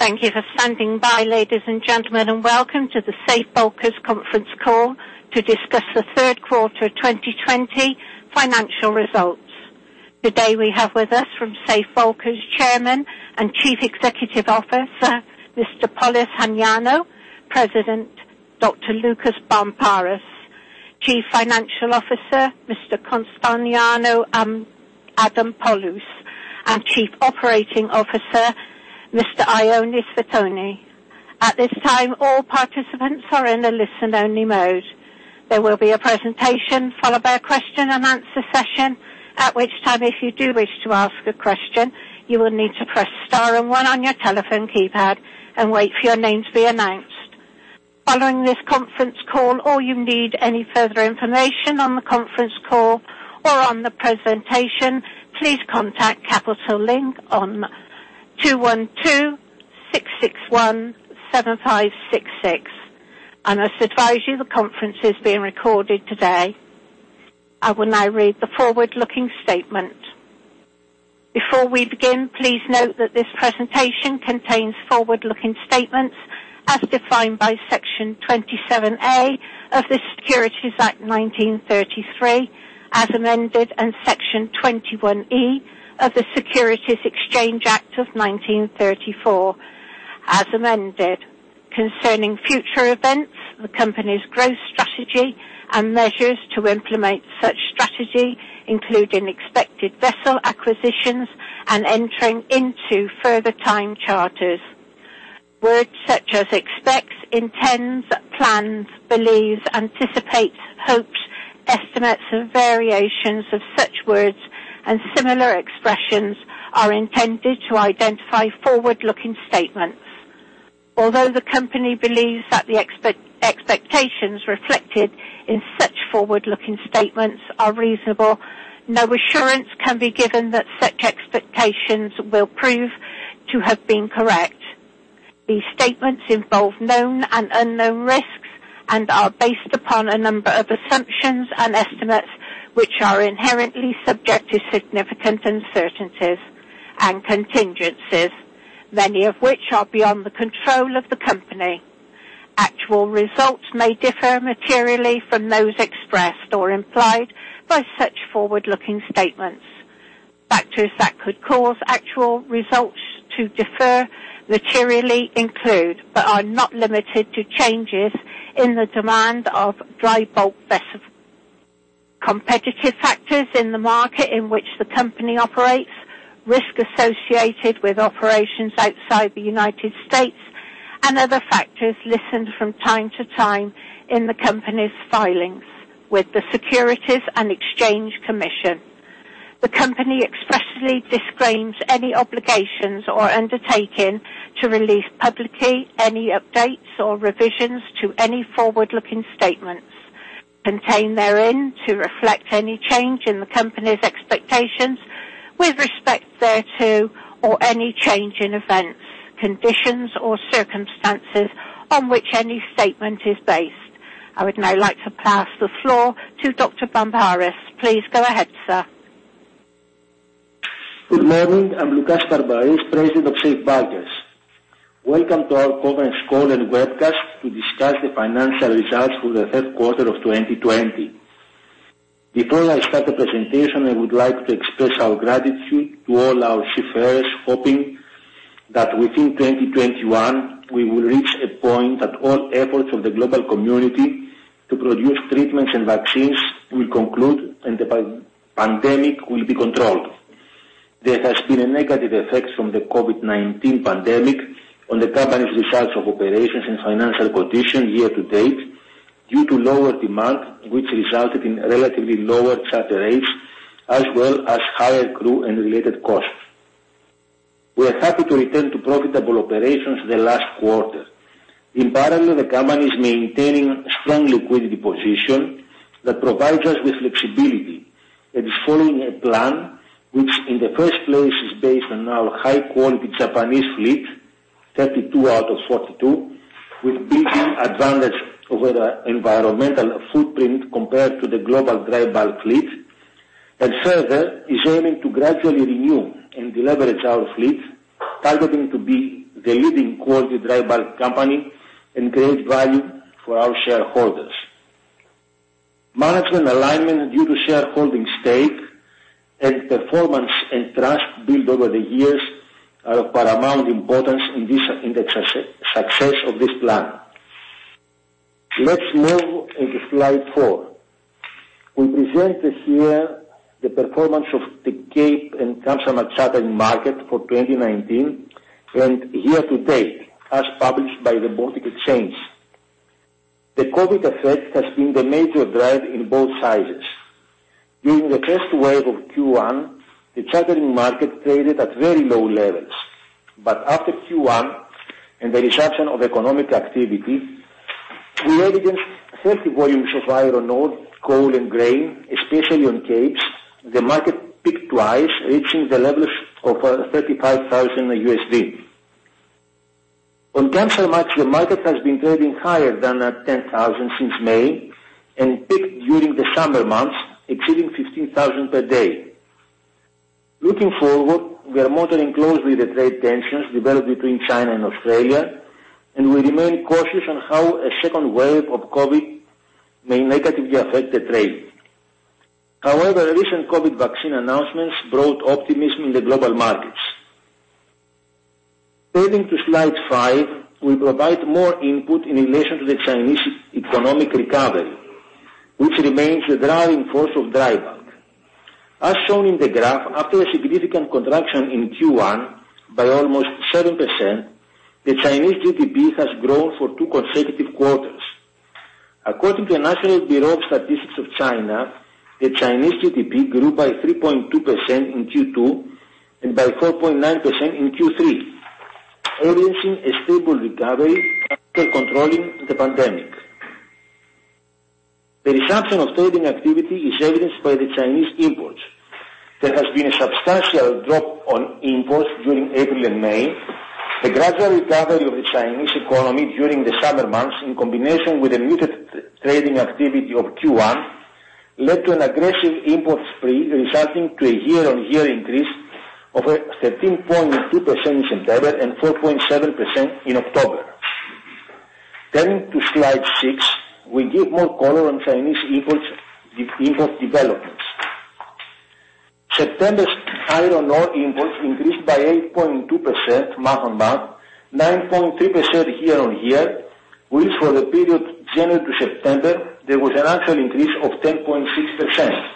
Thank you for standing by, ladies and gentlemen, and welcome to the Safe Bulkers conference call to discuss the third quarter 2020 financial results. Today we have with us from Safe Bulkers, Chairman and Chief Executive Officer, Mr. Polys Hajioannou, President, Dr. Loukas Barmparis, Chief Financial Officer, Mr. Konstantinos Adamopoulos, and Chief Operating Officer, Mr. Ioannis Foteinos. At this time, all participants are in a listen-only mode. There will be a presentation followed by a question and answer session. At which time, if you do wish to ask a question, you will need to press star and one on your telephone keypad and wait for your name to be announced. Following this conference call or you need any further information on the conference call or on the presentation, please contact Capital Link on 212-661-7566. I advise you, the conference is being recorded today. I will now read the forward-looking statement. Before we begin, please note that this presentation contains forward-looking statements as defined by Section 27A of the Securities Act 1933, as amended, and Section 21E of the Securities Exchange Act of 1934, as amended. Concerning future events, the company's growth strategy, and measures to implement such strategy, including expected vessel acquisitions and entering into further time charterers. Words such as expects, intends, plans, believes, anticipates, hopes, estimates, and variations of such words and similar expressions are intended to identify forward-looking statements. Although the company believes that the expectations reflected in such forward-looking statements are reasonable, no assurance can be given that such expectations will prove to have been correct. These statements involve known and unknown risks and are based upon a number of assumptions and estimates, which are inherently subject to significant uncertainties and contingencies, many of which are beyond the control of the company. Actual results may differ materially from those expressed or implied by such forward-looking statements. Factors that could cause actual results to differ materially include but are not limited to changes in the demand of drybulk vessel, competitive factors in the market in which the company operates, risk associated with operations outside the United States, and other factors listed from time to time in the company's filings with the Securities and Exchange Commission. The company expressly disclaims any obligations or undertaking to release publicly any updates or revisions to any forward-looking statements contained therein to reflect any change in the company's expectations with respect thereto or any change in events, conditions, or circumstances on which any statement is based. I would now like to pass the floor to Dr. Loukas Barmparis. Please go ahead, sir. Good morning. I'm Loukas Barmparis, President of Safe Bulkers, Inc. Welcome to our conference call and webcast to discuss the financial results for the third quarter of 2020. Before I start the presentation, I would like to express our gratitude to all our seafarers, hoping that within 2021, we will reach a point that all efforts of the global community to produce treatments and vaccines will conclude and the pandemic will be controlled. There has been a negative effect from the COVID-19 pandemic on the company's results of operations and financial condition year to date due to lower demand, which resulted in relatively lower charter rates as well as higher crew and related costs. We are happy to return to profitable operations the last quarter. In parallel, the company is maintaining a strong liquidity position that provides us with flexibility. It is following a plan which in the first place is based on our high-quality Japanese fleet, 32 out of 42, with built-in advantage over the environmental footprint compared to the global dry bulk fleet. Further, is aiming to gradually renew and deleverage our fleet, targeting to be the leading quality dry bulk company and create value for our shareholders. Management alignment due to shareholding stake and performance and trust built over the years are of paramount importance in the success of this plan. Let's move into slide four. We presented here the performance of the Capesize and Kamsarmax charter market for 2019 and year to date, as published by the Baltic Exchange. The COVID-19 effect has been the major drive in both sizes. During the first wave of Q1, the chartering market traded at very low levels. After Q1 and the resumption of economic activity, we evidenced healthy volumes of iron ore, coal, and grain, especially on Capesize. The market peaked twice, reaching the levels of $35,000. On Kamsarmax market, the market has been trading higher than at $10,000 since May and peaked during the summer months, exceeding $15,000 per day. Looking forward, we are monitoring closely the trade tensions developed between China and Australia, and we remain cautious on how a second wave of COVID may negatively affect the trade. However, recent COVID vaccine announcements brought optimism in the global markets. Turning to slide five, we provide more input in relation to the Chinese economic recovery, which remains the driving force of dry bulk. As shown in the graph, after a significant contraction in Q1 by almost 7%, the Chinese GDP has grown for two consecutive quarters. According to National Bureau of Statistics of China, the Chinese GDP grew by 3.2% in Q2 and by 4.9% in Q3, arranging a stable recovery after controlling the pandemic. The resumption of trading activity is evidenced by the Chinese imports. There has been a substantial drop on imports during April and May. The gradual recovery of the Chinese economy during the summer months, in combination with a muted trading activity of Q1, led to an aggressive import spree, resulting to a year-on-year increase of 13.2% in September and 4.7% in October. Turning to slide six, we give more color on Chinese import developments. September's iron ore imports increased by 8.2% month-on-month, 9.3% year-on-year, which for the period January to September, there was an actual increase of 10.6%.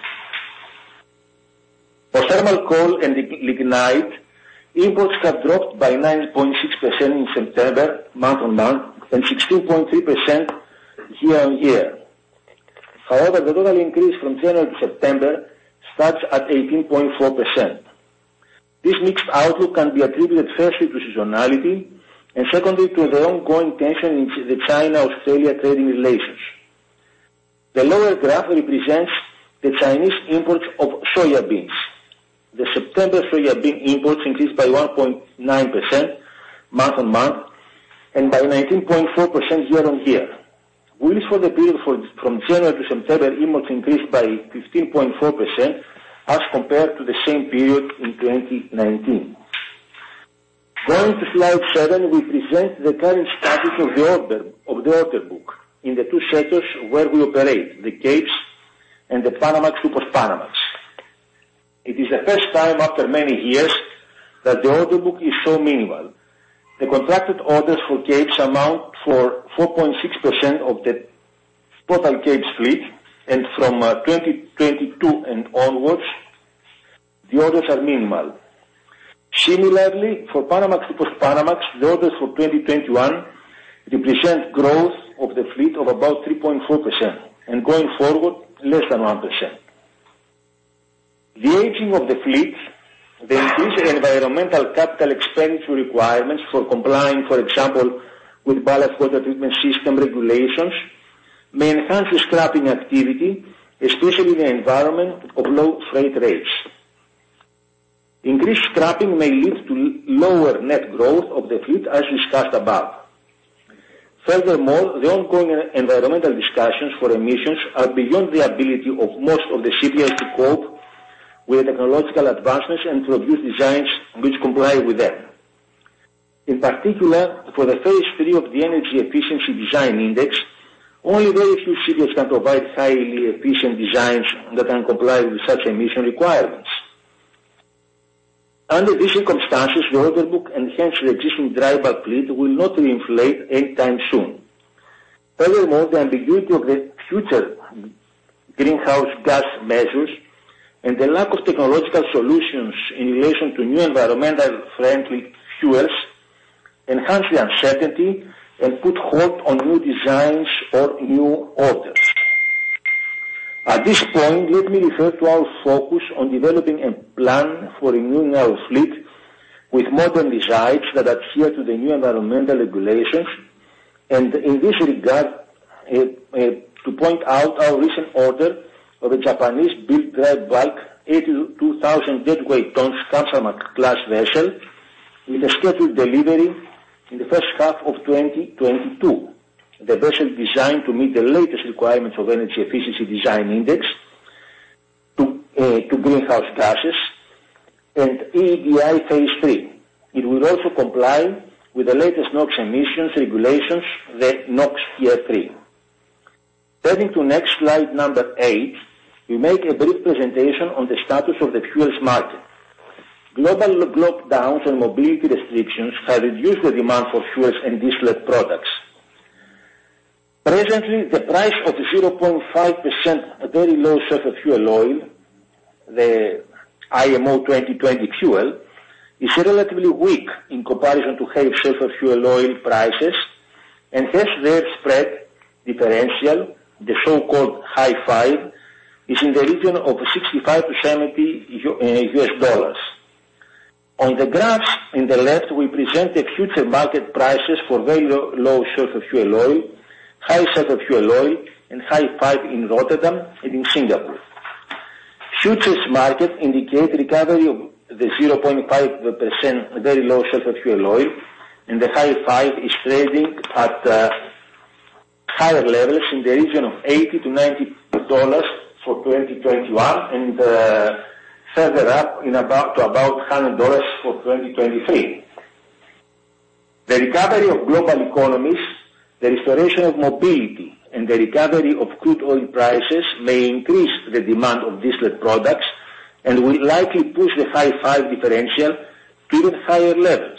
For thermal coal and lignite, imports have dropped by 9.6% in September, month-on-month, and 16.3% year-on-year. However, the total increase from January to September stands at 18.4%. This mixed outlook can be attributed firstly to seasonality, and secondly to the ongoing tension in the China-Australia trading relations. The lower graph represents the Chinese imports of soya beans. The September soya bean imports increased by 1.9% month-on-month and by 19.4% year-on-year, which for the period from January to September, imports increased by 15.4% as compared to the same period in 2019. Going to slide seven, we present the current status of the order book in the two sectors where we operate, the Capesize and the Panamax/Supramax. It is the first time after many years that the order book is so minimal. The contracted orders for Capesize amount for 4.6% of the total Cape fleet, and from 2022 and onwards, the orders are minimal. Similarly, for Panamax/Supramax, the orders for 2021 represent growth of the fleet of about 3.4%, and going forward, less than 1%. The aging of the fleet, the increased environmental capital expenditure requirements for complying, for example, with ballast water treatment system regulations, may enhance the scrapping activity, especially in the environment of low freight rates. Increased scrapping may lead to lower net growth of the fleet as discussed above. Furthermore, the ongoing environmental discussions for emissions are beyond the ability of most of the shipyards to cope with technological advancements and produce designs which comply with them. In particular, for the Phase 3 of the Energy Efficiency Design Index, only very few shipyards can provide highly efficient designs that can comply with such emission requirements. Under these circumstances, the order book and hence the existing dry bulk fleet will not reinflate anytime soon. The ambiguity of the future greenhouse gas measures and the lack of technological solutions in relation to new environmentally friendly fuels enhance the uncertainty and put halt on new designs or new orders. At this point, let me refer to our focus on developing a plan for renewing our fleet with modern designs that adhere to the new environmental regulations. In this regard, to point out our recent order of a Japanese-built dry bulk 82,000 deadweight tons Kamsarmax class vessel with a scheduled delivery in the first half of 2022. The vessel is designed to meet the latest requirements of Energy Efficiency Design Index to greenhouse gases and EEDI Phase 3. It will also comply with the latest NOx emissions regulations, the NOx Tier 3. Turning to next slide, number eight, we make a brief presentation on the status of the fuels market. Global lockdowns and mobility restrictions have reduced the demand for fuels and diesel products. Presently, the price of 0.5% VLSFO, the IMO 2020 fuel, is relatively weak in comparison to HSFO prices, and hence their spread differential, the so-called Hi-5, is in the region of $65-$70. On the graphs in the left, we present the future market prices for VLSFO, HSFO, and Hi-5 in Rotterdam and in Singapore. Futures market indicate recovery of the 0.5% VLSFO and the Hi-5 is trading at higher levels in the region of $80-$90 for 2021 and further up to about $100 for 2023. The recovery of global economies, the restoration of mobility, and the recovery of crude oil prices may increase the demand of distillate products and will likely push the Hi-5 differential to even higher levels.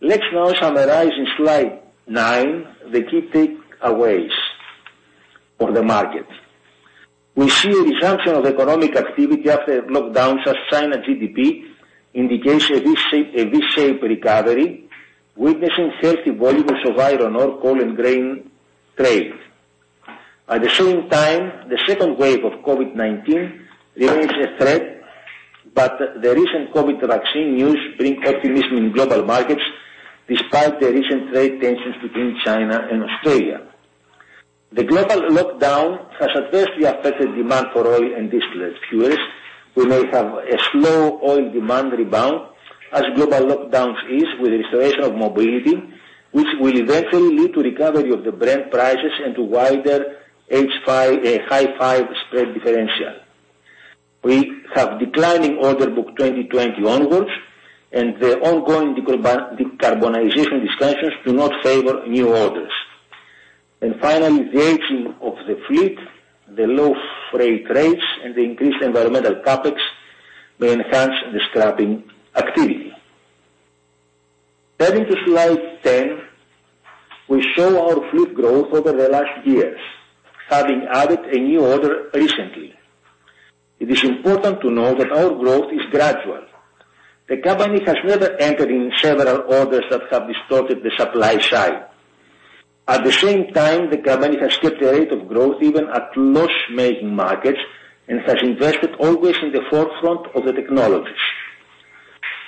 Let's now summarize in slide nine the key takeaways of the market. We see a resumption of economic activity after lockdowns as China GDP indicates a V-shaped recovery, witnessing healthy volumes of iron ore, coal, and grain trade. At the same time, the second wave of COVID-19 remains a threat, but the recent COVID vaccine news bring optimism in global markets despite the recent trade tensions between China and Australia. The global lockdown has adversely affected demand for oil and distillate fuels. We may have a slow oil demand rebound as global lockdowns ease with the restoration of mobility, which will eventually lead to recovery of the Brent prices and to wider Hi-5 spread differential. We have declining order book 2020 onwards. The ongoing decarbonization discussions do not favor new orders. Finally, the aging of the fleet, the low freight rates, and the increased environmental CapEx may enhance the scrapping activity. Turning to slide 10, we show our fleet growth over the last years, having added a new order recently. It is important to know that our growth is gradual. The company has never entered in several orders that have distorted the supply side. At the same time, the company has kept a rate of growth even at loss-making markets and has invested always in the forefront of the technologies.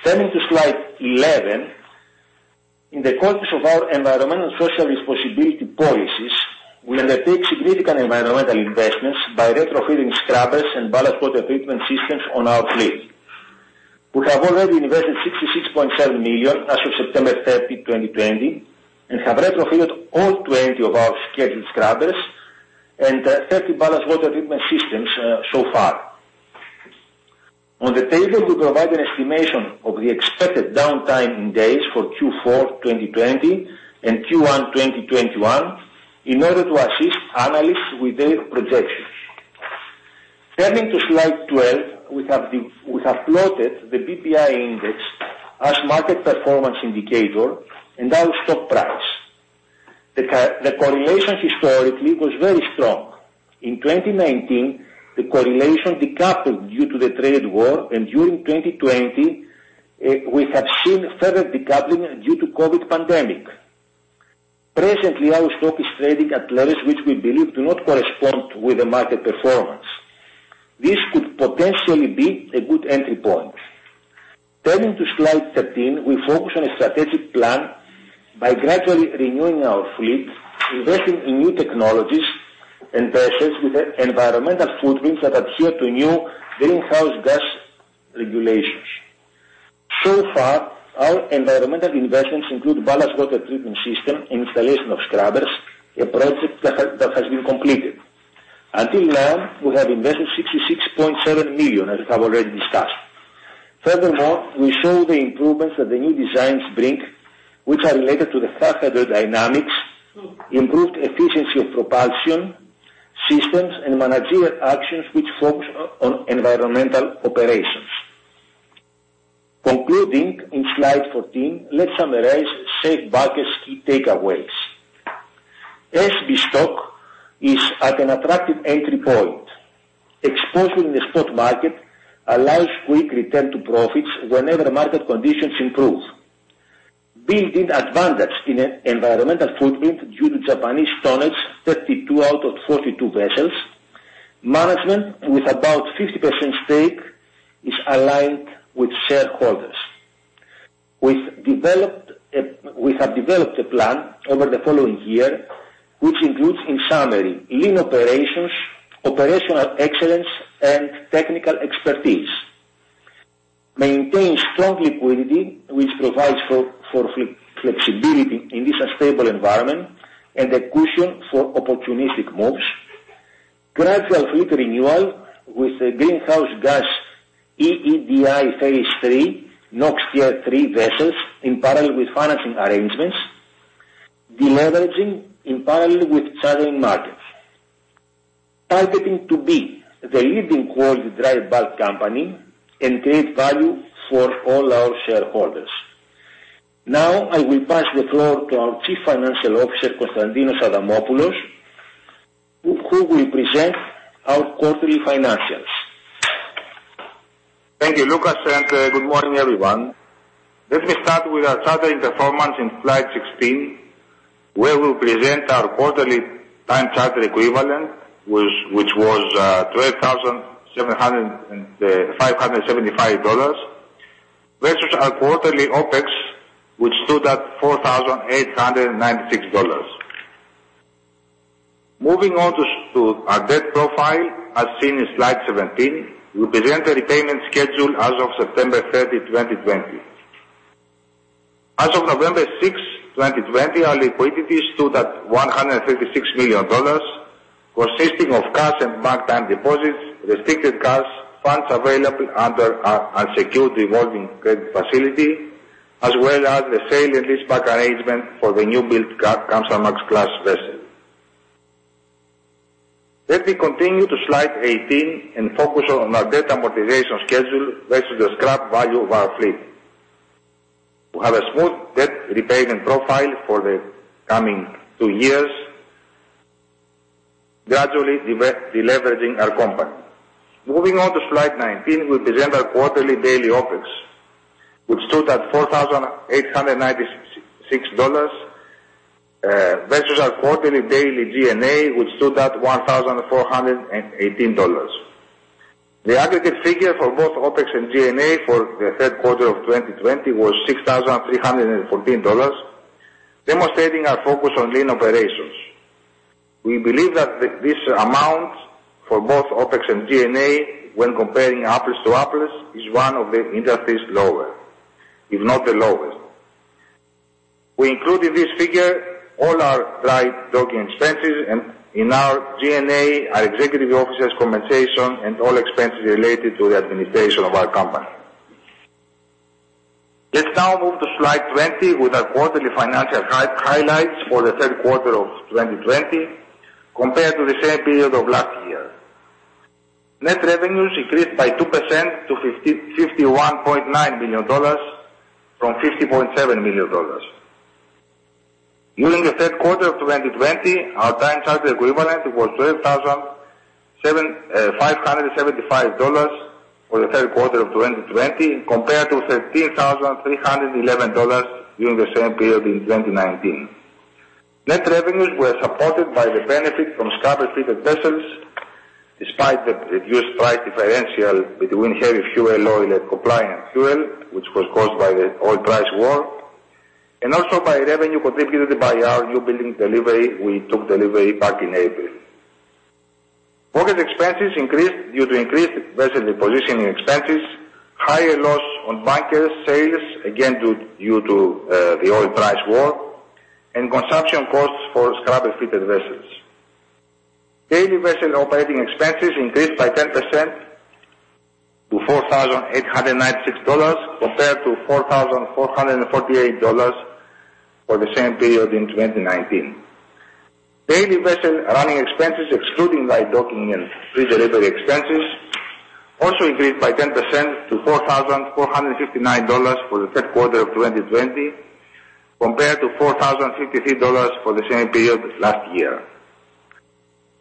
Turning to slide 11, in the course of our environmental and social responsibility policies, we undertake significant environmental investments by retrofitting scrubbers and ballast water treatment systems on our fleet. We have already invested $66.7 million as of September 30, 2020, and have retrofitted all 20 of our scheduled scrubbers and 30 ballast water treatment systems so far. On the table, we provide an estimation of the expected downtime in days for Q4 2020 and Q1 2021 in order to assist analysts with their projections. Turning to slide 12, we have plotted the BPI index as market performance indicator and our stock price. The correlation historically was very strong. In 2019, the correlation decoupled due to the trade war, and during 2020, we have seen further decoupling due to COVID pandemic. Presently, our stock is trading at levels which we believe do not correspond with the market performance. This could potentially be a good entry point. Turning to slide 13, we focus on a strategic plan by gradually renewing our fleet, investing in new technologies and vessels with environmental footprints that adhere to new greenhouse gas regulations. So far, our environmental investments include ballast water treatment system and installation of scrubbers, a project that has been completed. Until now, we have invested $66.7 million, as we have already discussed. Furthermore, we show the improvements that the new designs bring, which are related to the fast hydrodynamics, improved efficiency of propulsion systems, and managerial actions which focus on environmental operations. Concluding in slide 14, let's summarize Safe Bulkers key takeaways. SB stock is at an attractive entry point. Exposure in the spot market allows quick return to profits whenever market conditions improve. Building advantage in environmental footprint due to Japanese tonnage, 32 out of 42 vessels. Management with about 50% stake is aligned with shareholders. We have developed a plan over the following year, which includes, in summary, lean operations, operational excellence, and technical expertise. Maintain strong liquidity, which provides for flexibility in this unstable environment and a cushion for opportunistic moves. Gradual fleet renewal with the greenhouse gas EEDI Phase 3, NOx Tier 3 vessels in parallel with financing arrangements. Deleveraging in parallel with chartering markets. Targeting to be the leading world dry bulk company and create value for all our shareholders. Now, I will pass the floor to our Chief Financial Officer, Konstantinos Adamopoulos, who will present our quarterly financials. Thank you, Loukas, and good morning, everyone. Let me start with our chartering performance in slide 16, where we present our quarterly time charter equivalent, which was $12,575 versus our quarterly OPEX, which stood at $4,896. Moving on to our debt profile, as seen in slide 17, we present the repayment schedule as of September 30, 2020. As of November 6, 2020, our liquidity stood at $136 million, consisting of cash and (marked down deposits), restricted cash, funds available under our unsecured revolving credit facility, as well as the sale and lease-back arrangement for the newbuild Kamsarmax class vessel. Let me continue to slide 18 and focus on our debt amortization schedule versus the scrap value of our fleet. We have a smooth debt repayment profile for the coming two years, gradually de-leveraging our company. Moving on to slide 19, we present our quarterly daily OPEX, which stood at $4,896, versus our quarterly daily G&A, which stood at $1,418. The aggregate figure for both OPEX and G&A for the third quarter of 2020 was $6,314, demonstrating our focus on lean operations. We believe that this amount for both OPEX and G&A, when comparing apples to apples, is one of the industry's lower, if not the lowest. We include in this figure all our dry docking expenses and in our G&A, our executive officers' compensation and all expenses related to the administration of our company. Let's now move to slide 20 with our quarterly financial highlights for the third quarter of 2020 compared to the same period of last year. Net revenues increased by 2% to $51.9 million from $50.7 million. During the third quarter of 2020, our time charter equivalent was $12,575 for the third quarter of 2020 compared to $13,311 during the same period in 2019. Net revenues were supported by the benefit from scrubber-fitted vessels, despite the reduced price differential between heavy fuel oil and compliant fuel, which was caused by the oil price war, and also by revenue contributed by our newbuild delivery we took delivery back in April. Operating expenses increased due to increased vessel repositioning expenses, higher loss on bunker sales, again due to the oil price war, and consumption costs for scrubber-fitted vessels. Daily vessel operating expenses increased by 10% to $4,896 compared to $4,448 for the same period in 2019. Daily vessel running expenses, excluding dry docking and pre-delivery expenses, also increased by 10% to $4,459 for the third quarter of 2020, compared to $4,053 for the same period last year.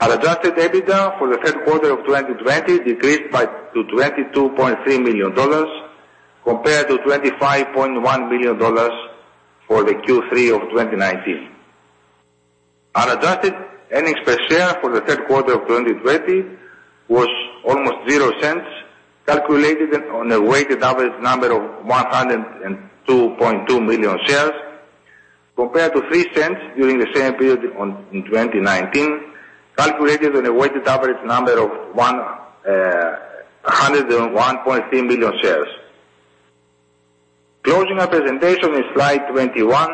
Our adjusted EBITDA for the third quarter of 2020 decreased to $22.3 million compared to $25.1 million for the Q3 2019. Unadjusted earnings per share for the third quarter of 2020 was almost $0.00, calculated on a weighted average number of 102.2 million shares, compared to $0.03 during the same period in 2019, calculated on a weighted average number of 101.3 million shares. Closing our presentation on slide 21,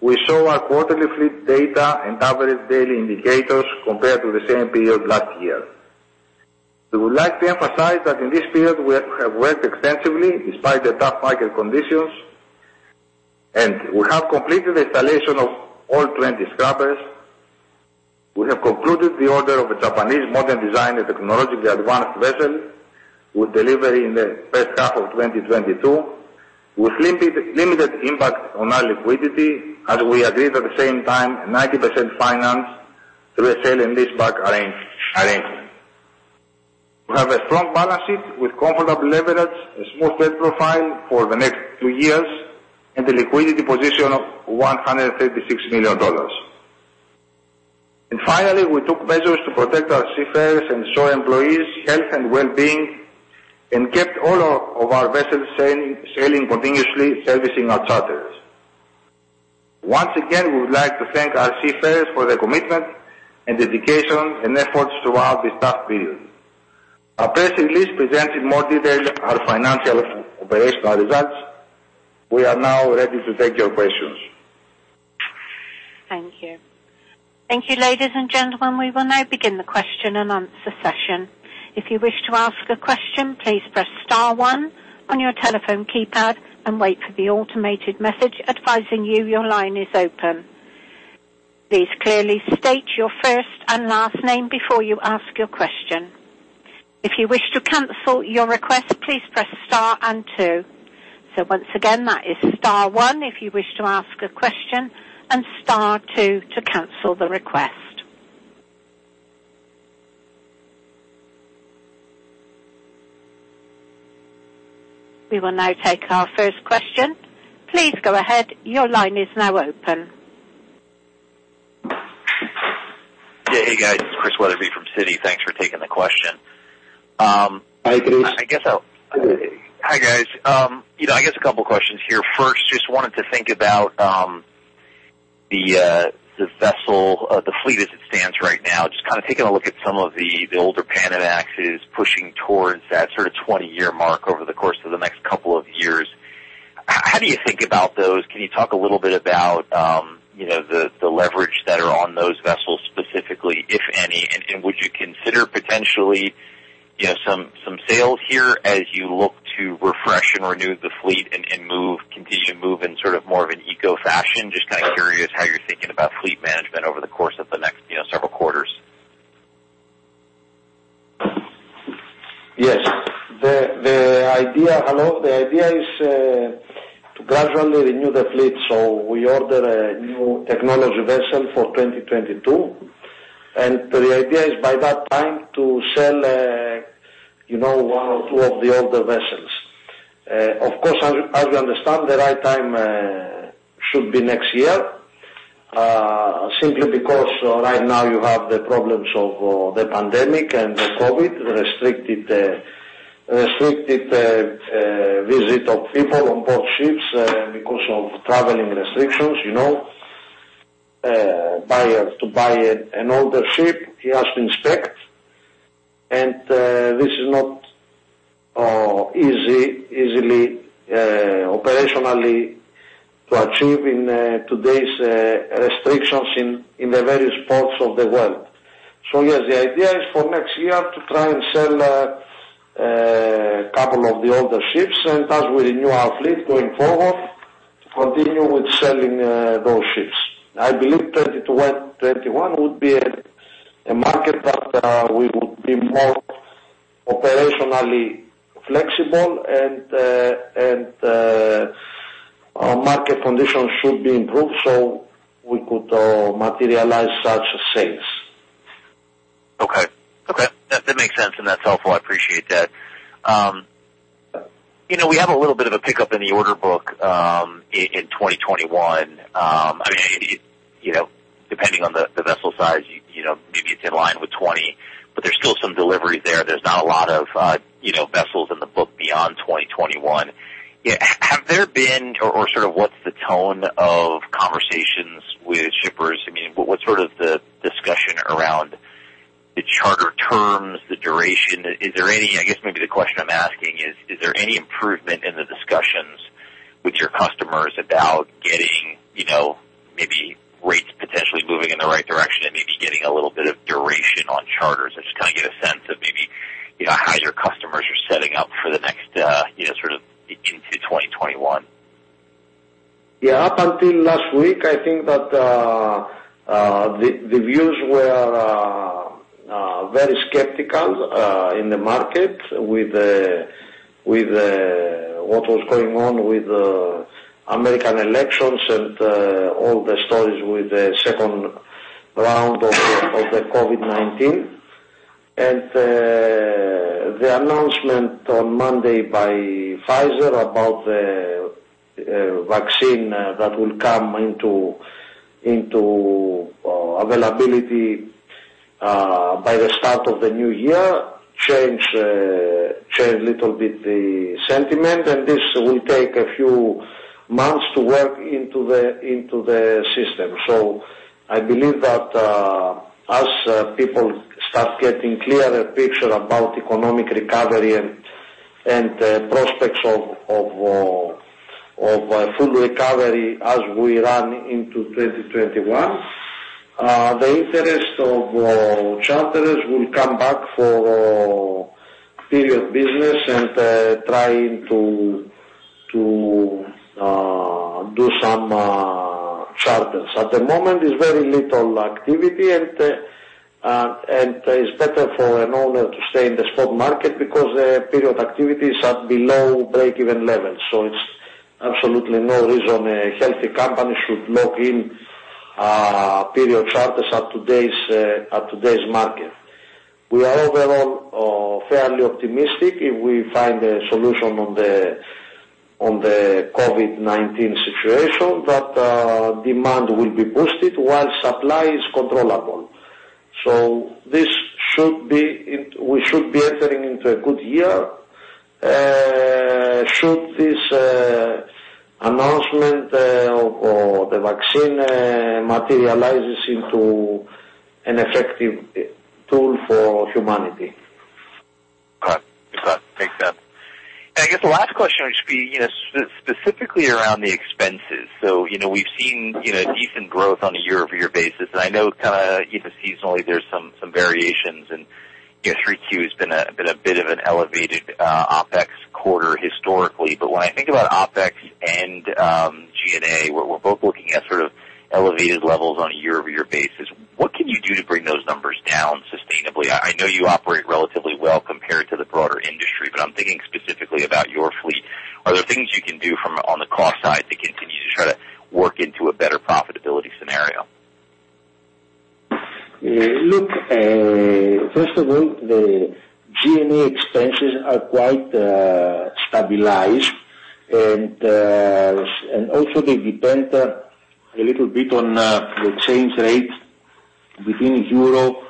we show our quarterly fleet data and average daily indicators compared to the same period last year. We would like to emphasize that in this period, we have worked extensively despite the tough market conditions, and we have completed the installation of all 20 scrubbers. We have concluded the order of a Japanese modern design and technologically advanced vessel with delivery in the first half of 2022 with limited impact on our liquidity, as we agreed at the same time a 90% finance through a sale and lease-back arrangement. We have a strong balance sheet with comfortable leverage, a smooth debt profile for the next two years, and a liquidity position of $136 million. Finally, we took measures to protect our seafarers' and shore employees' health and well-being and kept all of our vessels sailing continuously, servicing our charterers. Once again, we would like to thank our seafarers for their commitment and dedication and efforts throughout this tough period. Our press release presents in more detail our financial operational results. We are now ready to take your questions. Thank you. Thank you, ladies and gentlemen. We will now begin the question-and-answer session. If you wish to ask a question, please press star one on your telephone keypad and wait for the automated message advising you your line is open. Please clearly state your first and last name before you ask your question. If you wish to cancel your request, please press star and two. Once again, that is star one if you wish to ask a question and star two to cancel the request. We will now take our first question. Please go ahead. Your line is now open. Hey, guys, it's Christian Wetherbee from Citi. Thanks for taking the question. Hi, Chris. I guess a couple questions here. First, just wanted to think about the vessel, the fleet as it stands right now. Just taking a look at some of the older Panamaxes is pushing towards that sort of 20-year mark over the course of the next couple of years. How do you think about those? Can you talk a little bit about the leverage that are on those vessels specifically, if any, and would you consider potentially some sales here as you look to refresh and renew the fleet and continue to move in sort of more of an eco fashion? Just kind of curious how you're thinking about fleet management over the course of the next several quarters. Yes. Hello. The idea is to gradually renew the fleet. We order a new technology vessel for 2022, and the idea is by that time to sell one or two of the older vessels. Of course, as you understand, the right time should be next year, simply because right now you have the problems of the pandemic and the COVID-19, restricted visit of people on both ships because of traveling restrictions. Buyer to buy an older ship, he has to inspect, and this is not easily operationally to achieve in today's restrictions in the various ports of the world. Yes, the idea is for next year to try and sell couple of the older ships, and as we renew our fleet going forward, to continue with selling those ships. I believe 2021 would be a market that we would be more operationally flexible and our market condition should be improved so we could materialize such sales. Okay. That makes sense and that's helpful, I appreciate that. We have a little bit of a pickup in the order book in 2021. Depending on the vessel size, maybe it's in line with 2020, but there's still some delivery there. There's not a lot of vessels in the book beyond 2021. What's the tone of conversations with shippers? What's sort of the discussion around the charter terms, the duration? I guess maybe the question I'm asking is there any improvement in the discussions with your customers about getting maybe rates potentially moving in the right direction and maybe getting a little bit of duration on charters? I just get a sense of maybe how your customers are setting up into 2021. Yeah. Up until last week, I think that the views were very skeptical in the market with what was going on with American elections and all the stories with the second round of the COVID-19. The announcement on Monday by Pfizer about the vaccine that will come into availability by the start of the new year change little bit the sentiment, and this will take a few months to work into the system. I believe that as people start getting clearer picture about economic recovery and prospects of a full recovery as we run into 2021, the interest of charterers will come back for period business and trying to do some charters. At the moment is very little activity and is better for an owner to stay in the stock market because the period activity is at below breakeven levels. It's absolutely no reason a healthy company should lock in period charters at today's market. We are overall fairly optimistic if we find a solution on the COVID-19 situation that demand will be boosted while supply is controllable. We should be entering into a good year should this announcement of the vaccine materializes into an effective tool for humanity. Got it. Makes sense. I guess the last question would just be specifically around the expenses. We've seen decent growth on a year-over-year basis, and I know kind of seasonally there's some variations and Q3 has been a bit of an elevated OPEX quarter historically. When I think about OPEX and G&A, we're both looking at sort of elevated levels on a year-over-year basis. What can you do to bring those numbers down sustainably? I know you operate relatively well compared to the broader industry, I'm thinking specifically about your fleet. Are there things you can do from on the cost side to continue to try to work into a better profitability scenario? Look, first of all, the G&A expenses are quite stabilized and also they depend a little bit on the exchange rate. Within euro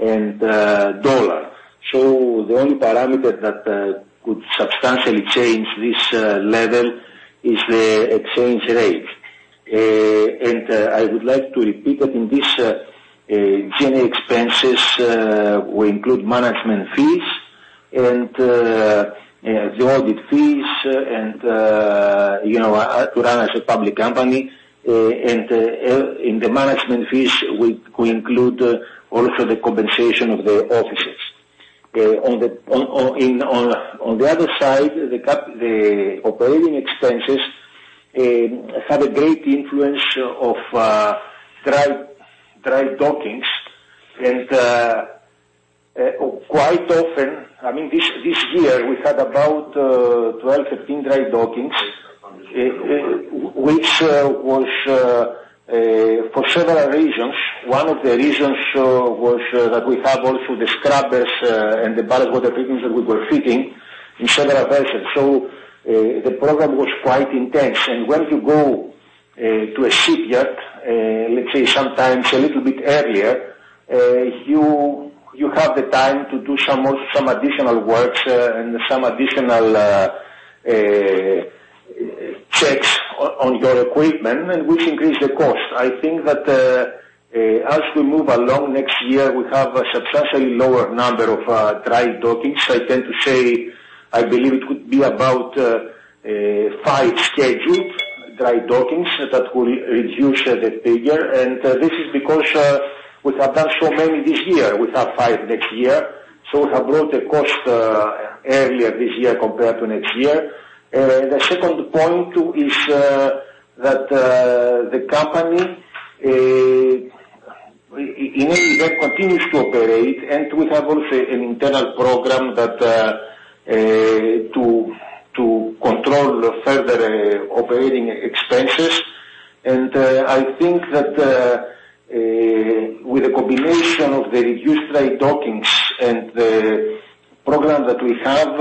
and dollar. The only parameter that could substantially change this level is the exchange rate. I would like to repeat that in this general expenses, we include management fees and the audit fees and to run as a public company. In the management fees, we include also the compensation of the officers. On the other side, the operating expenses have a great influence of dry dockings. Quite often, this year we had about 12, 13 dry dockings, which was for several reasons. One of the reasons was that we have also the scrubbers and the ballast water treatments that we were fitting in several vessels. The program was quite intense. When you go to a shipyard let's say sometimes a little bit earlier, you have the time to do some additional works and some additional checks on your equipment and which increase the cost. I think that as we move along next year, we have a substantially lower number of dry dockings. I tend to say I believe it could be about five scheduled dry dockings that will reduce the figure. This is because we have done so many this year. We have five next year. We have brought the cost earlier this year compared to next year. The second point is that the company in any event continues to operate and we have also an internal program to control further operating expenses. I think that with the combination of the reduced dry dockings and the program that we have,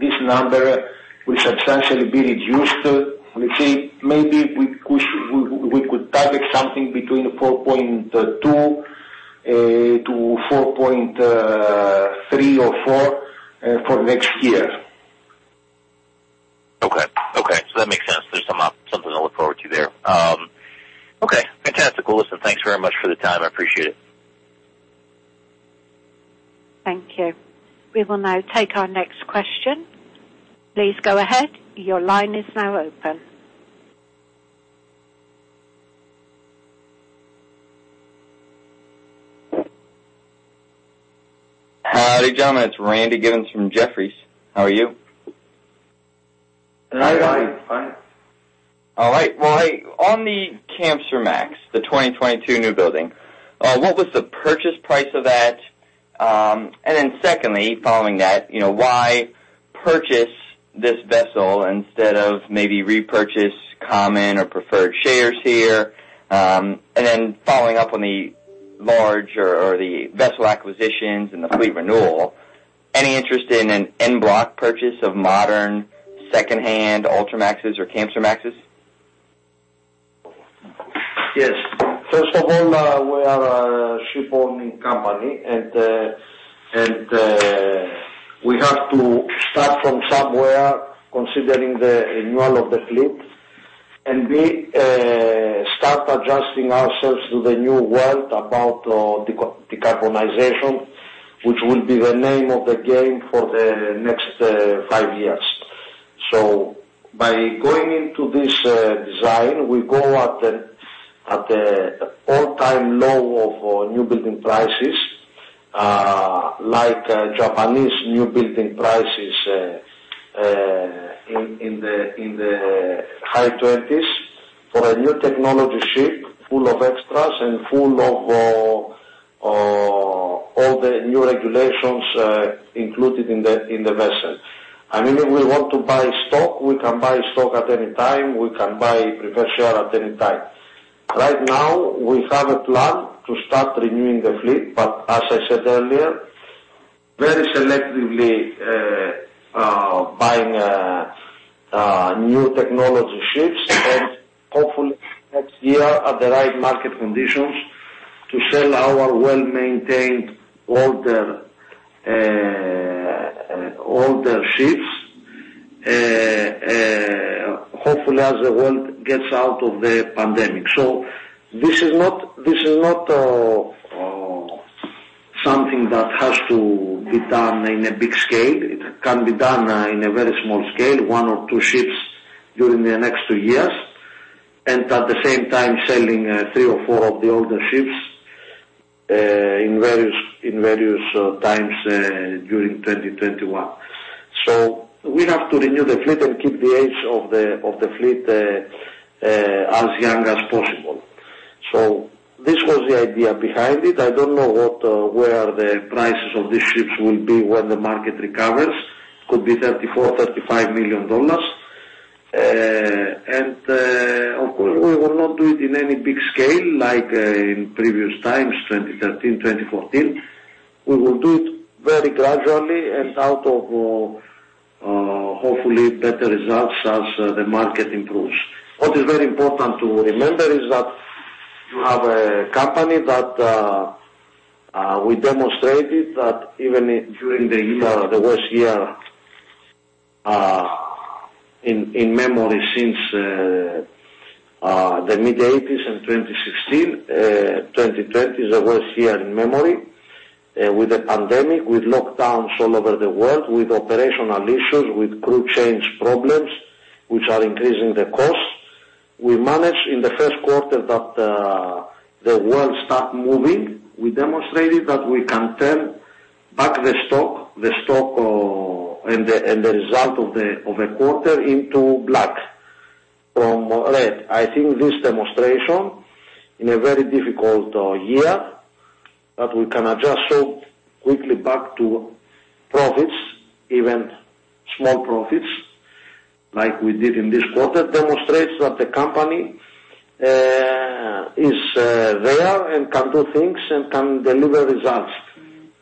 this number will substantially be reduced. Let's say maybe we could target something between 4.2 to 4.3 or four for next year. Okay. That makes sense. There's something to look forward to there. Okay, fantastic. Well, listen, thanks very much for the time. I appreciate it. Thank you. We will now take our next question. Please go ahead. Your line is now open. Howdy, gentlemen. It's Randy Giveans from Jefferies. How are you? Hi, Randy. Hi. All right. Well, on the Kamsarmax, the 2022 new building, what was the purchase price of that? Secondly, following that, why purchase this vessel instead of maybe repurchase common or preferred shares here? Following up on the larger or the vessel acquisitions and the fleet renewal, any interest in an en bloc purchase of modern secondhand Ultramax or Kamsarmaxes? Yes. First of all, we are a ship owning company. We have to start from somewhere considering the renewal of the fleet. We start adjusting ourselves to the new world about decarbonization, which will be the name of the game for the next five years. By going into this design, we go at the all time low of new building prices like Japanese new building prices in the high 20s for a new technology ship full of extras and full of all the new regulations included in the vessel. If we want to buy stock, we can buy stock at any time. We can buy preferred share at any time. Right now, we have a plan to start renewing the fleet, but as I said earlier, very selectively buying new technology ships and hopefully next year at the right market conditions to sell our well-maintained older ships hopefully as the world gets out of the pandemic. This is not something that has to be done in a big scale. It can be done in a very small scale, one or two ships during the next two years and at the same time selling three or four of the older ships in various times during 2021. We have to renew the fleet and keep the age of the fleet as young as possible. This was the idea behind it. I don't know where the prices of these ships will be when the market recovers. It could be $34 million, $35 million. Of course we will not do it in any big scale like in previous times, 2013, 2014. We will do it very gradually and out of hopefully better results as the market improves. What is very important to remember is that you have a company that we demonstrated that even during the worst year in memory since the mid-1980s and 2016, 2020 is the worst year in memory with the pandemic, with lockdowns all over the world, with operational issues, with crew change problems, which are increasing the costs. We managed in the first quarter that the world start moving. We demonstrated that we can turn back the stock and the result of a quarter into black from red. I think this demonstration, in a very difficult year, that we can adjust so quickly back to profits, even small profits like we did in this quarter, demonstrates that the company is there and can do things and can deliver results.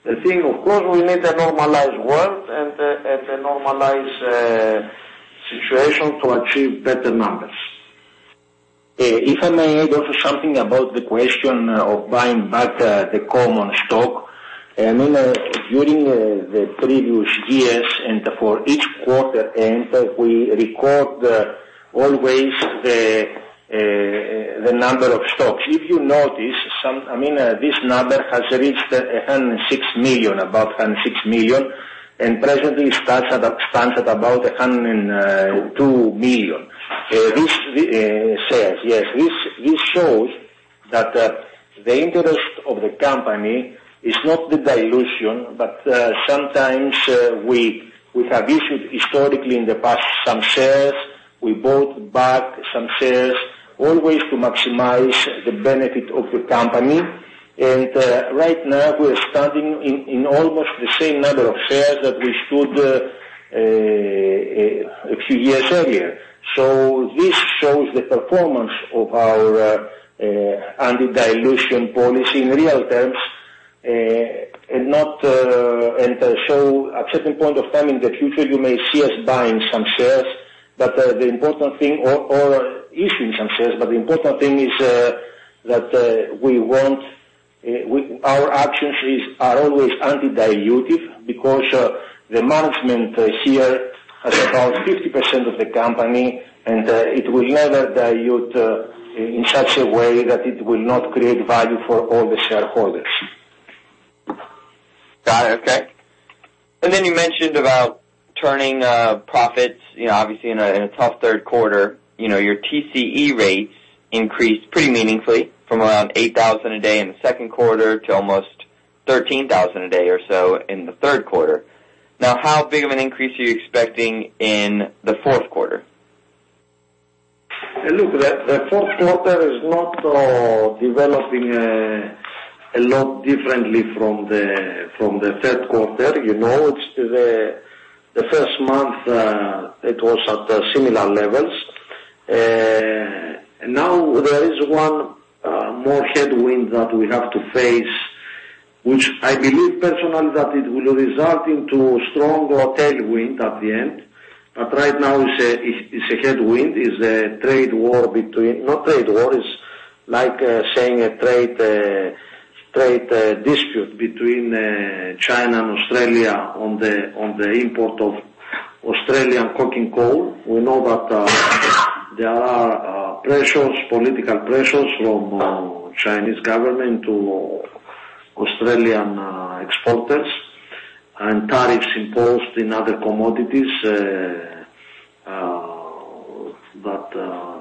The thing, of course, we need a normalized world and a normalized situation to achieve better numbers. If I may add also something about the question of buying back the common stock. During the previous years and for each quarter end, we record always the number of stocks. If you notice, this number has reached 106 million, about 106 million, and presently stands at about 102 million shares. This shows that the interest of the company is not the dilution, but sometimes we have issued historically in the past some shares. We bought back some shares, always to maximize the benefit of the company. Right now, we're standing in almost the same number of shares that we stood a few years earlier. This shows the performance of our anti-dilution policy in real terms. At certain point of time in the future, you may see us buying some shares or issuing some shares, but the important thing is that our actions are always anti-dilutive because the management here has about 50% of the company, and it will never dilute in such a way that it will not create value for all the shareholders. Got it. Okay. You mentioned about turning profits, obviously in a tough third quarter. Your TCE rates increased pretty meaningfully from around $8,000 a day in the second quarter to almost $13,000 a day or so in the third quarter. How big of an increase are you expecting in the fourth quarter? Look, the fourth quarter is not developing a lot differently from the third quarter. The first month it was at similar levels. There is one more headwind that we have to face, which I believe personally that it will result into stronger tailwind at the end. Right now, it's a headwind. It's a trade dispute between China and Australia on the import of Australian coking coal. We know that there are pressures, political pressures from Chinese government to Australian exporters and tariffs imposed in other commodities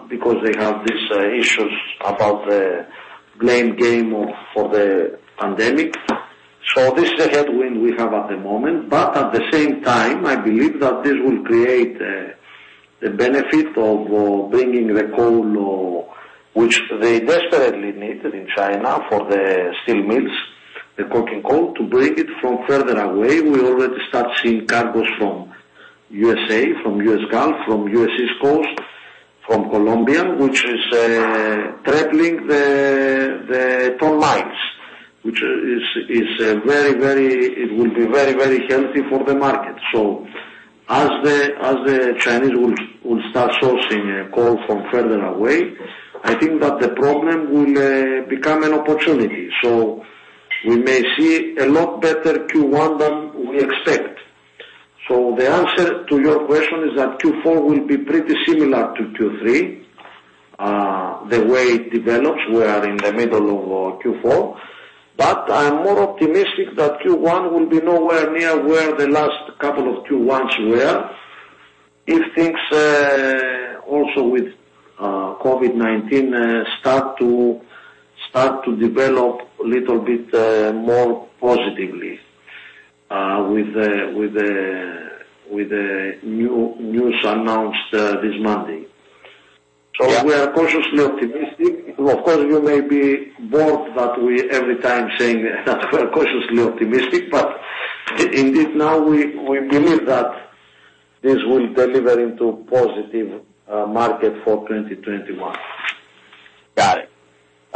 because they have these issues about the blame game for the pandemic. This is a headwind we have at the moment. At the same time, I believe that this will create a benefit of bringing the coal, which they desperately need in China for the steel mills, the coking coal, to bring it from further away. We already start seeing cargoes from USA, from U.S. Gulf, from U.S. East Coast, from Colombia, which is trebling the ton miles. It will be very healthy for the market. As the Chinese will start sourcing coal from further away, I think that the problem will become an opportunity. We may see a lot better Q1 than we expect. The answer to your question is that Q4 will be pretty similar to Q3, the way it develops. We are in the middle of Q4, but I'm more optimistic that Q1 will be nowhere near where the last couple of Q1s were. If things, also with COVID-19, start to develop a little bit more positively with the news announced this Monday, we are cautiously optimistic. You may be bored that we every time saying that we're cautiously optimistic, but indeed now we believe that this will deliver into positive market for 2021. All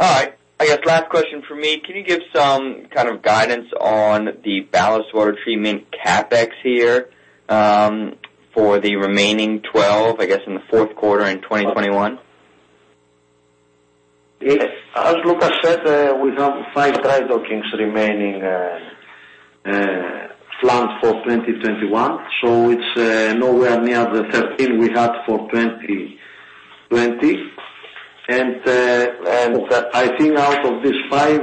right. I guess last question from me. Can you give some kind of guidance on the ballast water treatment CapEx here for the remaining 12, I guess, in the fourth quarter in 2021? Yes. As Loukas said, we have five dry dockings remaining planned for 2021. It's nowhere near the 13 we had for 2020. I think out of these five,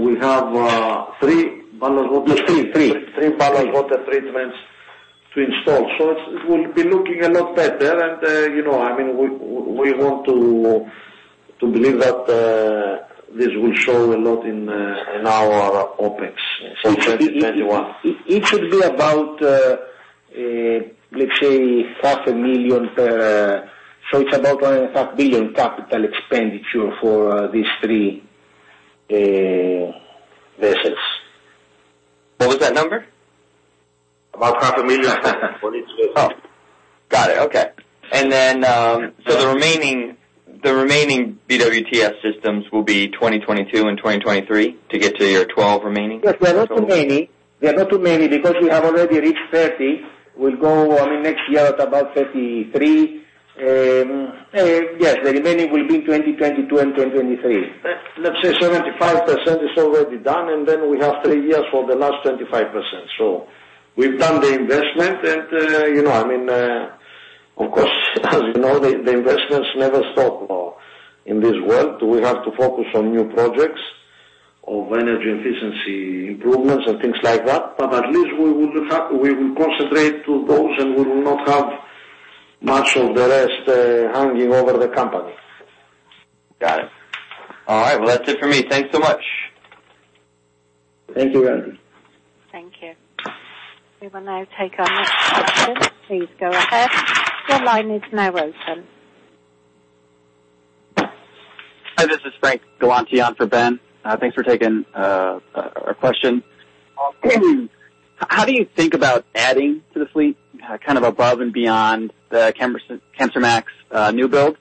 we have three ballast water- Yes, three. Three ballast water treatments to install. It will be looking a lot better and, we want to believe that this will show a lot in our OPEX in 2021. It should be about, let's say $0.5 million per. It's about $1.5 million capital expenditure for these three vessels. What was that number? About $0.5 million for each vessel. Oh, got it. Okay. The remaining BWTS systems will be 2022 and 2023 to get to your 12 remaining? Yes. They're not too many because we have already reached 30. We'll go, next year at about 33. Yes. The remaining will be in 2022 and 2023. Let's say 75% is already done, and then we have three years for the last 25%. We've done the investment and, of course, as you know, the investments never stop in this world. We have to focus on new projects of energy efficiency improvements and things like that. At least we will concentrate to those, and we will not have much of the rest hanging over the company. Got it. All right. Well, that's it for me. Thanks so much. Thank you. Thank you. We will now take our next question. Please go ahead. Your line is now open. Hi, this is Frank Galanti on for Ben. Thanks for taking our question. How do you think about adding to the fleet, kind of above and beyond the Kamsarmax new build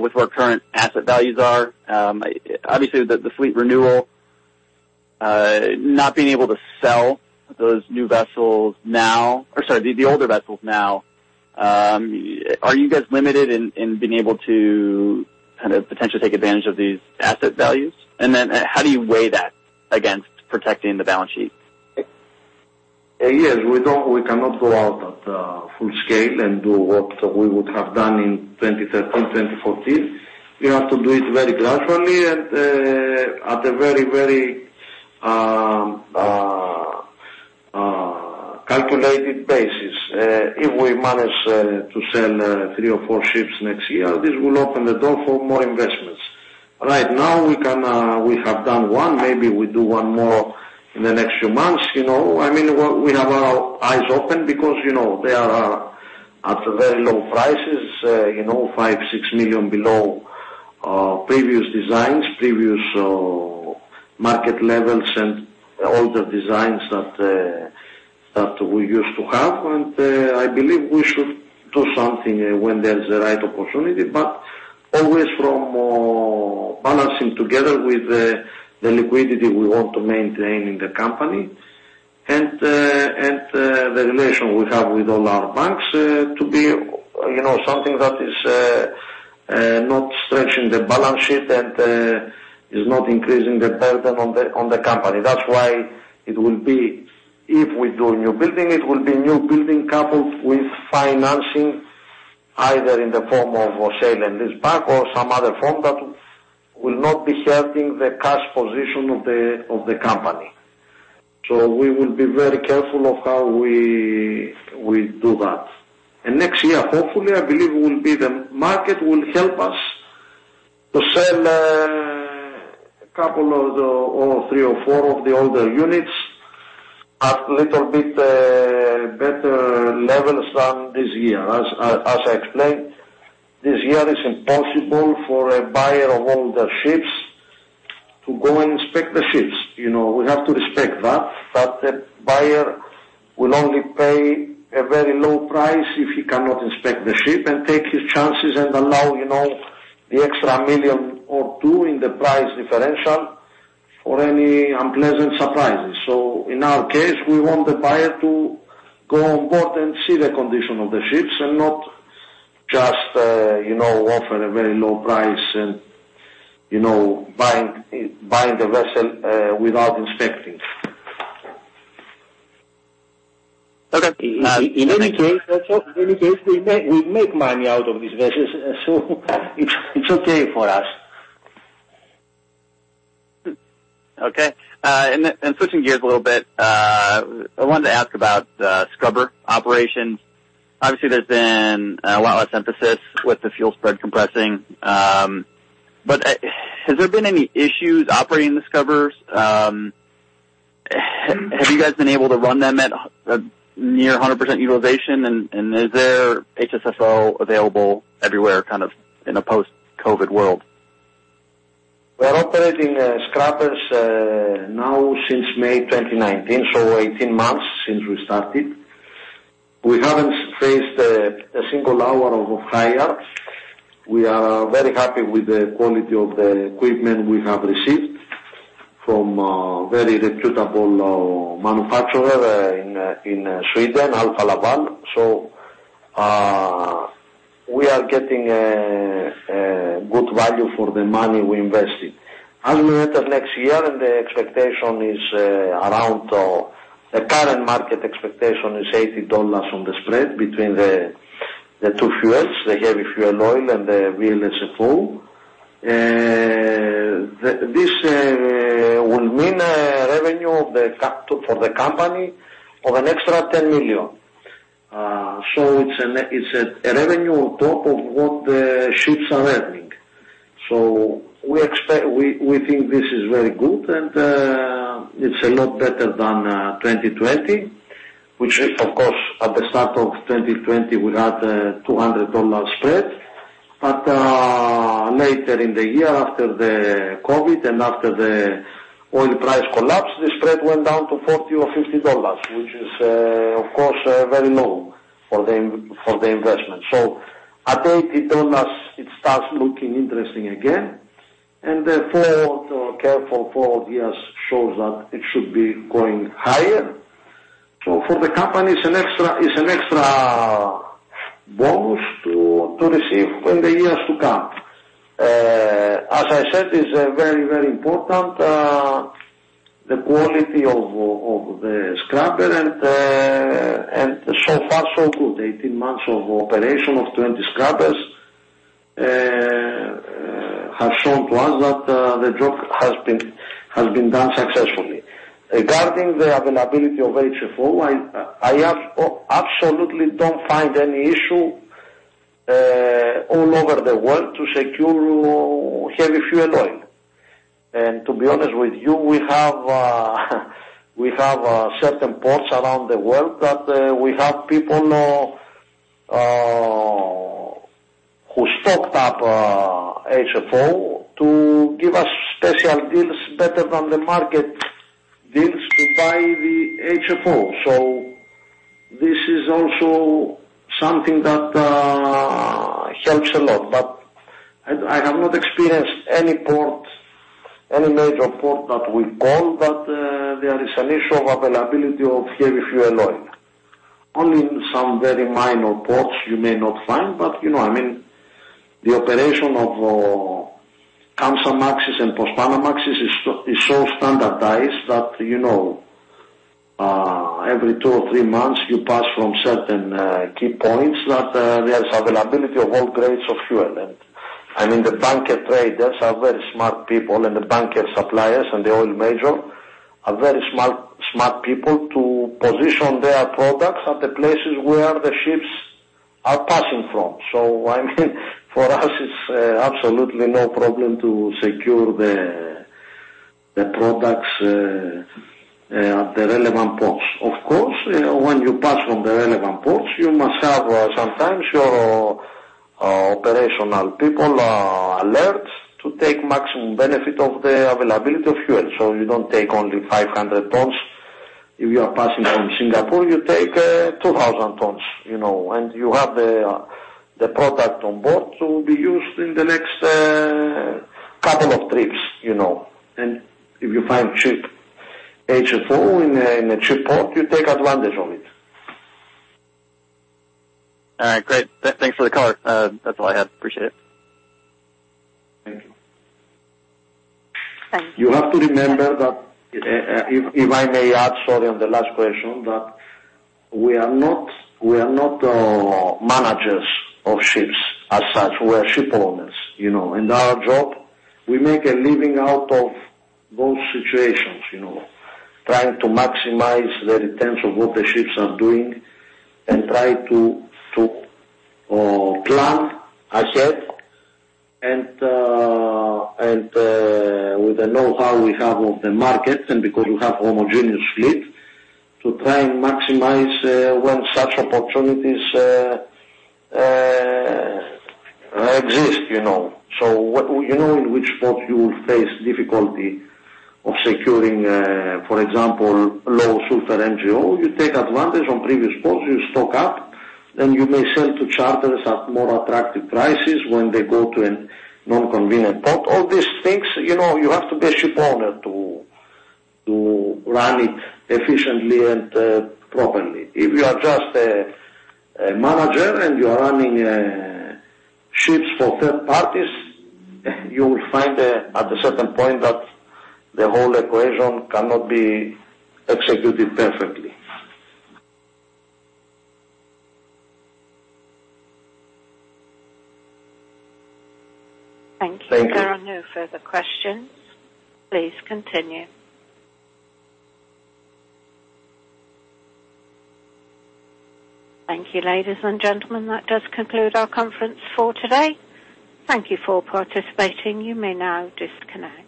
with where current asset values are? Obviously, the fleet renewal, not being able to sell those new vessels now, or sorry, the older vessels now. Are you guys limited in being able to kind of potentially take advantage of these asset values? How do you weigh that against protecting the balance sheet? Yes, we cannot go out at full scale and do what we would have done in 2013, 2014. We have to do it very gradually and at a very calculated basis. If we manage to sell three or four ships next year, this will open the door for more investments. Right now, we have done one. Maybe we do one more in the next few months. We have our eyes open because they are at very low prices, $5 million-$6 million below previous designs, previous market levels and older designs that we used to have. I believe we should do something when there's a right opportunity, but always from balancing together with the liquidity we want to maintain in the company and the relation we have with all our banks to be something that is not stretching the balance sheet and is not increasing the burden on the company. That's why it will be, if we do a new building, it will be new building coupled with financing either in the form of a sale and lease back or some other form that will not be hurting the cash position of the company. We will be very careful of how we do that. Next year, hopefully, I believe the market will help us to sell a couple of the, or three or four of the older units at little bit better levels than this year. As I explained, this year it is impossible for a buyer of older ships to go and inspect the ships. We have to respect that the buyer will only pay a very low price if he cannot inspect the ship and take his chances and allow the extra million or two in the price differential for any unpleasant surprises. In our case, we want the buyer to go on board and see the condition of the ships and not just offer a very low price and buying the vessel without inspecting. Okay. In any case, we make money out of these vessels so it's okay for us. Okay. Switching gears a little bit, I wanted to ask about the scrubber operations. Obviously, there's been a lot less emphasis with the fuel spread compressing. Has there been any issues operating the scrubbers? Have you guys been able to run them at near 100% utilization, and is there HSFO available everywhere kind of in a post-COVID world? We're operating scrubbers now since May 2019, so 18 months since we started. We haven't faced a single hour off-hire. We are very happy with the quality of the equipment we have received from a very reputable manufacturer in Sweden, Alfa Laval. We are getting good value for the money we invested. As we enter next year, the current market expectation is $80 on the spread between the two fuels, the heavy fuel oil and the VLSFO. This will mean revenue for the company of an extra $10 million. It's revenue on top of what the ships are earning. We think this is very good and it's a lot better than 2020, which is, of course, at the start of 2020, we had a $200 spread. Later in the year after the COVID-19 and after the oil price collapse, the spread went down to $40 or $50, which is, of course, very low for the investment. At $80, it starts looking interesting again, and therefore, careful forward years shows that it should be going higher. For the company, it's an extra bonus to receive in the years to come. As I said, it's very, very important, the quality of the scrubber and so far so good. 18 months of operation of 20 scrubbers have shown to us that the job has been done successfully. Regarding the availability of HFO, I absolutely don't find any issue all over the world to secure heavy fuel oil. To be honest with you we have certain ports around the world that we have people who stocked up HFO to give us special deals better than the market deals to buy the HFO. This is also something that helps a lot. I have not experienced any major port that we call that there is an issue of availability of heavy fuel oil. Only in some very minor ports you may not find, but the operation of Kamsarmaxes and Post-Panamax is so standardized that every two or three months, you pass from certain key points that there is availability of all grades of fuel. The bunker traders are very smart people, and the bunker suppliers and the oil major are very smart people to position their products at the places where the ships are passing from. For us, it's absolutely no problem to secure the products at the relevant ports. Of course, when you pass from the relevant ports, you must have sometimes your operational people alert to take maximum benefit of the availability of fuel. You don't take only 500 tons. If you are passing from Singapore, you take 2,000 tons, and you have the product on board to be used in the next couple of trips. If you find cheap HFO in a cheap port, you take advantage of it. All right. Great. Thanks for the color. That's all I had. Appreciate it. You have to remember that, if I may add, sorry, on the last question, that we are not managers of ships as such. We are ship owners. In our job, we make a living out of those situations, trying to maximize the returns of what the ships are doing and try to plan ahead and with the know-how we have of the markets and because we have homogeneous fleet to try and maximize when such opportunities exist. You know in which port you will face difficulty of securing, for example, low-sulfur MGO. You take advantage on previous ports, you stock up, then you may sell to charters at more attractive prices when they go to a non-convenient port. All these things, you have to be a ship owner to run it efficiently and properly. If you are just a manager and you are running ships for third parties, you will find at a certain point that the whole equation cannot be executed perfectly. Thank you. Thank you. There are no further questions. Please continue. Thank you, ladies and gentlemen. That does conclude our conference for today. Thank you for participating. You may now disconnect.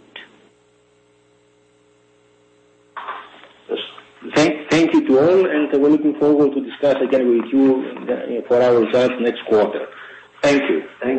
Thank you to all, and we're looking forward to discuss again with you for our results next quarter. Thank you.